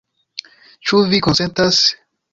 Ĉu vi konsentas?